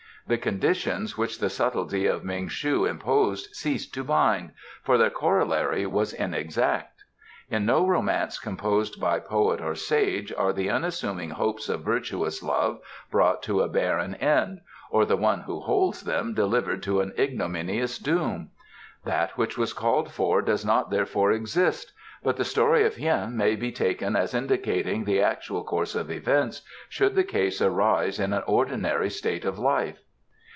The conditions which the subtlety of Ming shu imposed ceased to bind, for their corollary was inexact. In no romance composed by poet or sage are the unassuming hopes of virtuous love brought to a barren end or the one who holds them delivered to an ignominious doom. That which was called for does not therefore exist, but the story of Hien may be taken as indicating the actual course of events should the case arise in an ordinary state of life."